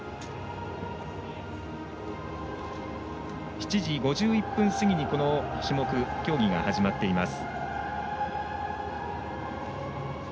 ７時５１分過ぎに、この種目競技が始まっています。